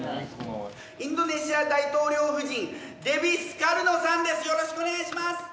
インドネシア大統領夫人デヴィ・スカルノさんです！